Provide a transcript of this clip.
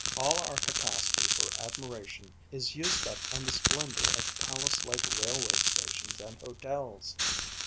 All our capacity for admiration is used up on the splendor of palace like railway stations and hotels.